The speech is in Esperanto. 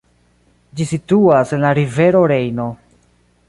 Ĝi situas en la rivero Rejno.